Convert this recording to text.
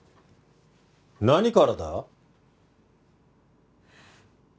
何からだ？